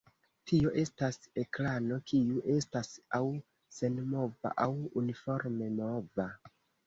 Tio estas ekrano kiu estas aŭ senmova aŭ uniforme mova.